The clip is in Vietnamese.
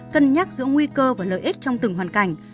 cân nhắc giữa nguy cơ và lợi ích trong từng hoàn cảnh